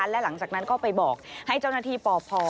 และหลังจากนั้นก็ไปบอกให้เจ้าหน้าที่ปพ